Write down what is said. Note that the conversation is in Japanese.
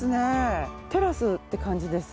テラスって感じです。